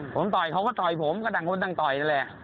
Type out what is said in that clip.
ผมต่อยเขาก็ต่อยผมก็ต่างคนต่างต่อยนั่นแหละ